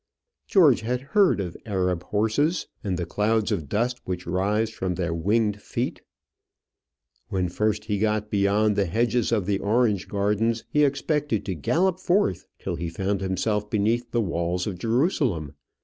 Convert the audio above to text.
George had heard of Arab horses, and the clouds of dust which rise from their winged feet. When first he got beyond the hedges of the orange gardens, he expected to gallop forth till he found himself beneath the walls of Jerusalem.